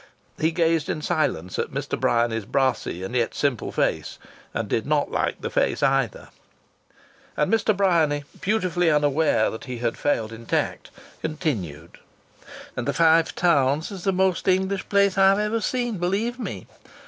He gazed in silence at Mr. Bryany's brassy and yet simple face, and did not like the face either. And Mr. Bryany, beautifully unaware that he had failed in tact, continued: "The Five Towns is the most English place I've ever seen, believe me!